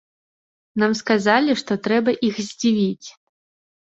Нам сказалі, што трэба іх здзівіць.